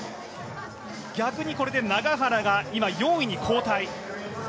逆にこれで永原が４位に後退。